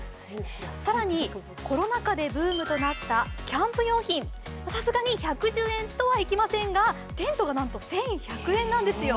更に、コロナ禍でブームとなったキャンプ用品、さすがに１１０円とはいきませんがテントがなんと１１００円なんですよ。